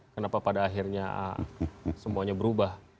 kenapa pada akhirnya semuanya berubah